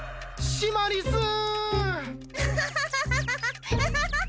シマリスー！